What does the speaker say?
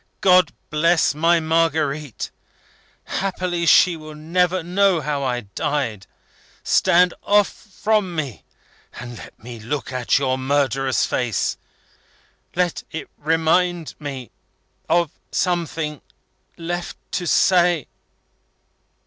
God bless my Marguerite! Happily she will never know how I died. Stand off from me, and let me look at your murderous face. Let it remind me of something left to say."